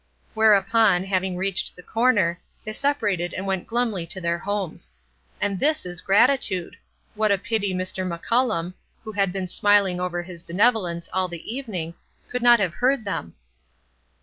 Whereupon, having reached the corner, they separated and went glumly to their homes. And this is gratitude! What a pity Mr. McCullum who had been smiling over his benevolence all the evening could not have heard them!